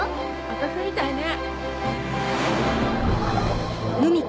私みたいね。